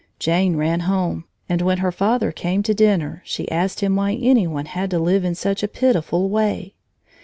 Jane ran home, and when her father came to dinner she asked him why any one had to live in such a pitiful way.